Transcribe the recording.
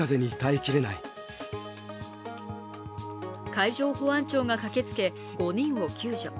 海上保安庁が駆けつけ５人を救助。